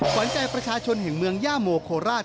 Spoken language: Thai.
ขวัญใจประชาชนแห่งเมืองย่าโมโคราช